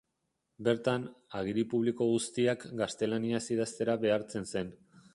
Bertan, agiri publiko guztiak gaztelaniaz idaztera behartzen zen.